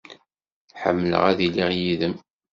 Ḥemmleɣ ad iliɣ yid-m.